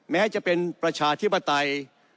แม้จะเป็นประชาธิปไตย